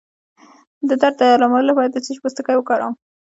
د درد د ارامولو لپاره د څه شي پوستکی وکاروم؟